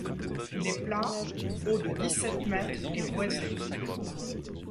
Il est plat, haut de dix-sept mètres et boisé.